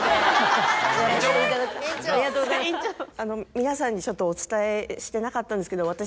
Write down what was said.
皆さんにちょっとお伝えしてなかったんですけど私。